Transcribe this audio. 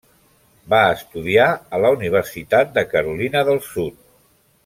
Va estudiar a la Universitat de Carolina del Sud.